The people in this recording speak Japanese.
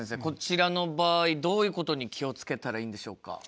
こちらの場合どういうことに気を付けたらいいんでしょうか？